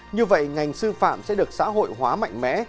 như vậy ngành sư phạm sẽ được xã hội hóa mạnh mẽ